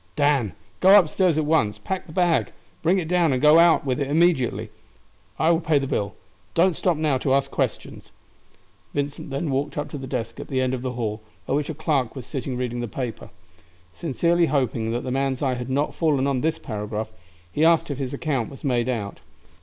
"Dan, go upstairs at once, pack the bag, bring it down and get out with it immediately. I will pay the bill. Don't stop to ask questions now." Vincent then walked up to the desk at the end of the hall, at which a clerk was sitting reading the paper. Sincerely hoping that the man's eye had not fallen on this paragraph, he asked if his account was made out.